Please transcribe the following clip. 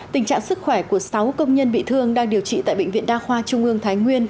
tình trạng sức khỏe của sáu công nhân bị thương đang điều trị tại bệnh viện đa khoa trung ương thái nguyên